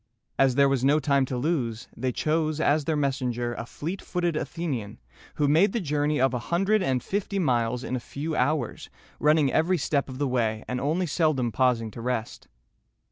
As there was no time to lose, they chose as their messenger a fleet footed Athenian, who made the journey of a hundred and fifty miles in a few hours, running every step of the way, and only seldom pausing to rest.